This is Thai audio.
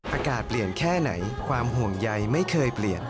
อากาศเปลี่ยนแค่ไหนความห่วงใยไม่เคยเปลี่ยน